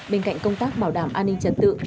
bên cạnh công tác bảo đảm an ninh trật tự